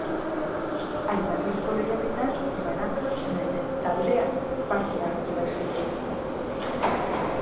Aipaturiko lehiaketan banaka nahiz taldean parte hartu daiteke.